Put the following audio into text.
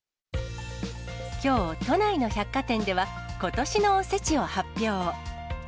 きょう都内の百貨店では、ことしのおせちを発表。